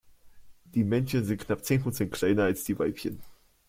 Die Männchen sind knapp zehn Prozent kleiner als die Weibchen.